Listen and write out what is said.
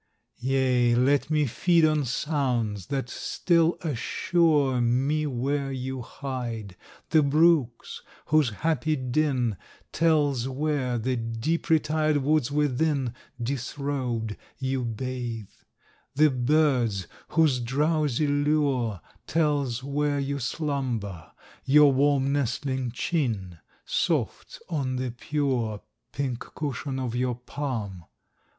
V Yea, let me feed on sounds that still assure Me where you hide: the brooks', whose happy din Tells where, the deep retired woods within, Disrobed, you bathe; the birds', whose drowsy lure Tells where you slumber, your warm nestling chin Soft on the pure Pink cushion of your palm